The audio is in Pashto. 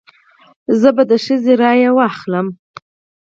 زه به د ښځې رای واخلم.